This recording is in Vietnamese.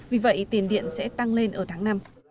vì vậy tiền điện sẽ tăng lên ở tháng năm